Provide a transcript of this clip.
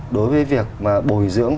đối với việc mà bồi dưỡng